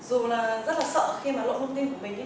dù là rất là sợ khi mà lộ thông tin của mình